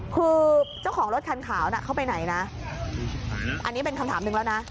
คือเจ้าของรถคันขาวน่ะเข้าไปไหนนะอันนี้เป็นคำถามหนึ่งแล้วนะ